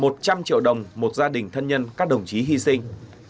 một trăm linh triệu đồng một gia đình thân nhân các đồng chí hy sinh